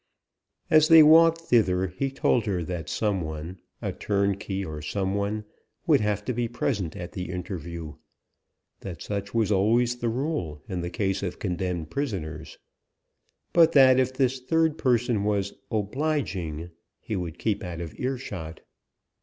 As they walked thither, he told her that some one a turnkey, or some one would have to be present at the interview; that such was always the rule in the case of condemned prisoners; but that if this third person was "obliging," he would keep out of earshot.